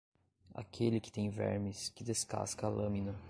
Aquele que tem vermes que descasca a lâmina.